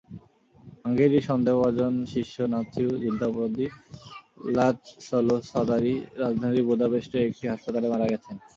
হাঙ্গেরির সন্দেহভাজন শীর্ষ Nazi যুদ্ধাপরাধী লাৎসলো safari রাজধানী বুদাপেস্টের একটি হাসপাতালে মারা গেছেন।